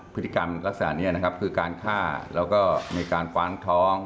พฤติกรรมลักษณะนี้นะครับคือการฆ่าแล้วก็มีการฟางท้อง